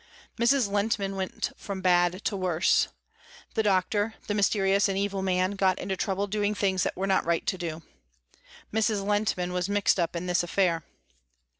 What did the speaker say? Mrs. Lehntman went from bad to worse. The doctor, the mysterious and evil man, got into trouble doing things that were not right to do. Mrs. Lehntman was mixed up in this affair.